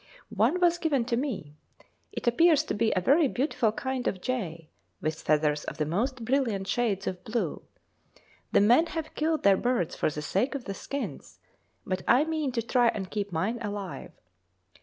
One was given to me. It appears to be a very beautiful kind of jay, with feathers of the most brilliant shades of blue. The men have killed their birds for the sake of the skins, but I mean to try and keep mine alive.